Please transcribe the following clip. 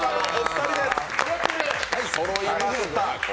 そろいました！